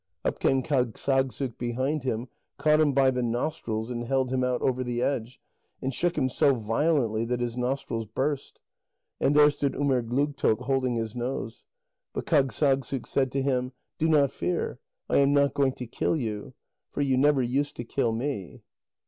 Up came Kâgssagssuk behind him, caught him by the nostrils and held him out over the edge, and shook him so violently that his nostrils burst. And there stood Umerdlugtoq holding his nose. But Kâgssagssuk said to him: "Do not fear; I am not going to kill you. For you never used to kill me."